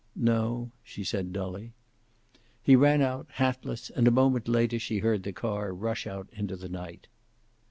"No," she said, dully. He ran out, hatless, and a moment later she heard the car rush out into the night.